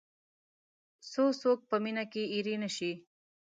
څو څوک په مینه کې اېرې نه شي.